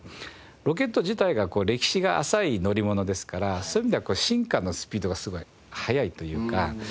ロケット自体が歴史が浅い乗り物ですからそういう意味では進化のスピードがすごい速いというか。